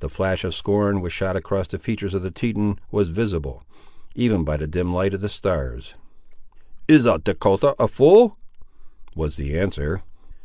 The flash of scorn, which shot across the features of the Teton, was visible, even by the dim light of the stars. "Is a Dahcotah a fool?" was the answer.